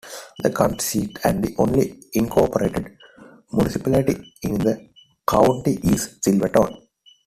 The county seat and the only incorporated municipality in the county is Silverton.